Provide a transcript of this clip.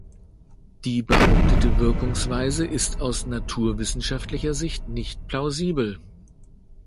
Die behauptete Wirkungsweise ist aus naturwissenschaftlicher Sicht nicht plausibel.